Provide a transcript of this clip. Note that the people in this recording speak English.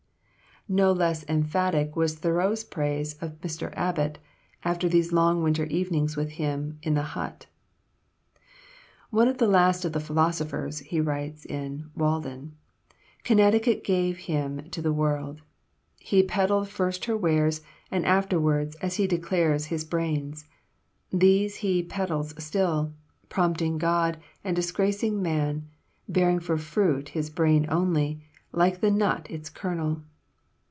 Not less emphatic was Thoreau's praise of Mr. Alcott, after these long winter evenings with him in the hut: "One of the last of the philosophers," he writes in "Walden," "Connecticut gave him to the world, he peddled first her wares, afterwards, as he declares, his brains. These he peddles still, prompting God and disgracing man, bearing for fruit his brain only, like the nut its kernel.